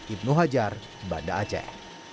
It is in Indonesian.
ibnu hajar banda aceh